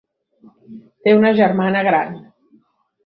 Té una germana gran.